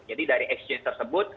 jadi dari exchange tersebut